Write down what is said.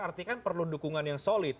artinya kan perlu dukungan yang solid